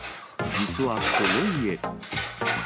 実はこの家。